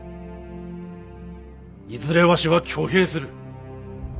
いずれわしは挙兵する。